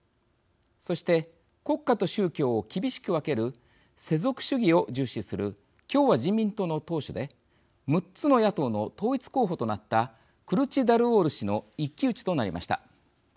そして国家と宗教を厳しく分ける世俗主義を重視する共和人民党の党首で６つの野党の統一候補となったクルチダルオール氏の一騎打ちとなりました。